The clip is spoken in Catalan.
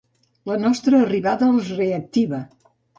La nostra arribada els reactiva.